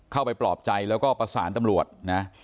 เข้าไปปลอบใจแล้วก็ประสานตำรวจนะครับ